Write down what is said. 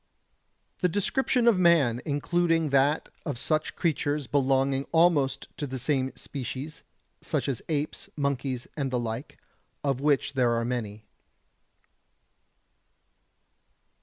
The description of man, including that of such creatures belonging almost to the same species, such as apes, monkeys and the like, of which there are many.